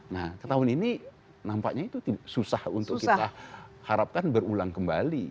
nah ke tahun ini nampaknya itu susah untuk kita harapkan berulang kembali